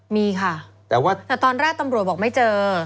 มีค่ะแต่ว่าแต่ตอนแรกตำรวจบอกไม่เจอ